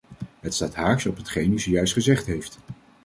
Dat staat haaks op hetgeen u zojuist gezegd heeft.